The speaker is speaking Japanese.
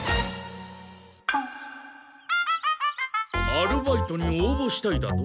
アルバイトに応募したいだと？